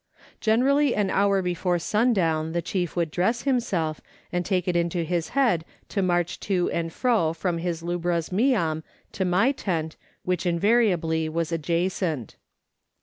Generally an hour before sundown the chief would dress himself, and take it into his head to march to and fro from his lubra's miam to my tent which invariably was adjacent.